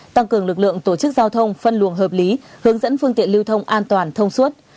tăng cường lực lượng tổ chức giao thông phân luồng hợp lý hướng dẫn phương tiện lưu thông an toàn thông suốt